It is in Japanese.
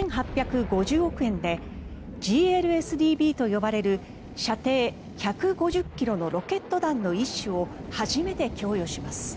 およそ２８５０億円でＧＬＳＤＢと呼ばれる射程１５０ｋｍのロケット弾の一種を初めて供与します。